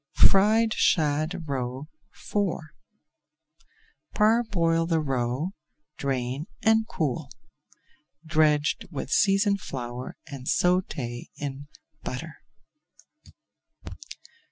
FRIED SHAD ROE IV Parboil the roe, drain, and cool. Dredge with seasoned flour and sauté in butter.